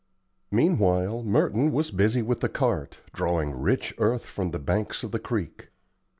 Meanwhile Merton was busy with the cart, drawing rich earth from the banks of the creek.